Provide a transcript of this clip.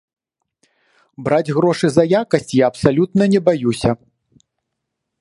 Браць грошы за якасць я абсалютна не баюся.